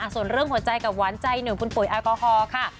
ส่วนเรื่องหัวใจกับหวานใจหนึ่งคุณปุ๋ยแอลกอฮอล์ค่ะ